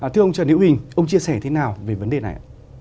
thưa ông trần hữu hình ông chia sẻ thế nào về vấn đề này